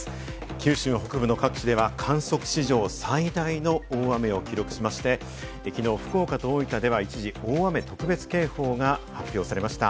九州北部の各地では観測史上最大の大雨を記録しまして、きのう福岡と大分では一時、大雨特別警報が発表されました。